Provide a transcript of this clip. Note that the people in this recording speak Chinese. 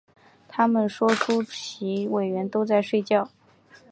他们说出席委员都在睡觉